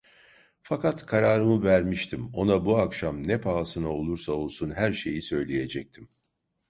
Fakat kararımı vermiştim, ona bu akşam ne pahasına olursa olsun her şeyi söyleyecektim.